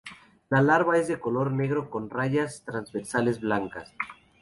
La larva es de color negro con rayas transversales blancas.